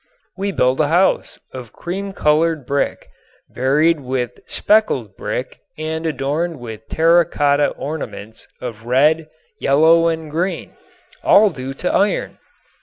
We build a house of cream colored brick, varied with speckled brick and adorned with terra cotta ornaments of red, yellow and green, all due to iron.